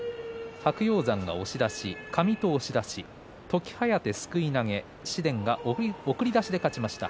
白鷹山が押し出し上戸は押し出し時疾風すくい投げ紫雷が送り出して勝ちました。